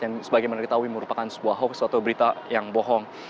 yang sebagaimana diketahui merupakan sebuah hoax atau berita yang bohong